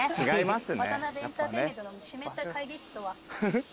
ワタナベエンターテインメントの湿った会議室とは。